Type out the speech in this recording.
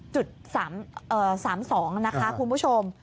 ๓๒นะคะคุณผู้ชม